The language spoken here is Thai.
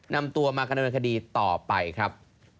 นำตัวมากันโดยบันคดีต่อไปครับ